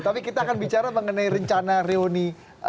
tapi kita akan bicara mengenai rencana reuni